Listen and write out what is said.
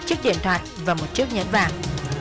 chiếc điện thoại và một chiếc nhãn vàng